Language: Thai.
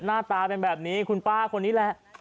หน้าตาเป็นแบบนี้คุณป้าคนนี้แหละ